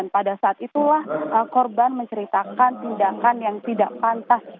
pada saat itulah korban menceritakan tindakan yang tidak pantas